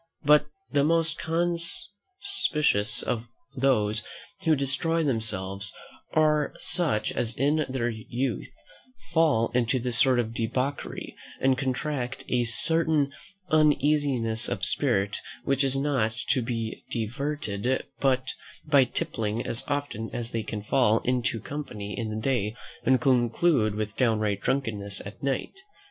But the most conspicuous of those who destroy themselves, are such as in their youth fall into this sort of debauchery; and contract a certain uneasiness of spirit, which is not to be diverted but by tippling as often as they can fall into company in the day, and conclude with downright drunkenness at night.